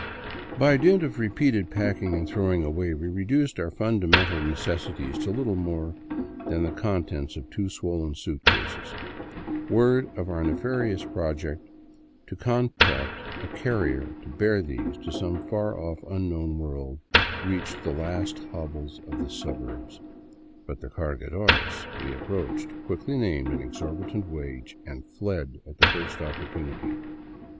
By dint of repeated packing and throwing away, we reduced our fundamental necessities to little more than the contents of two swollen suitcases. Word of our nefarious project to contract a carrier to bear these to some far off, unknown world reached the last hovels of the suburbs. But the cargadores we approached quickly named an exorbitant wage and fled at the first opportunity.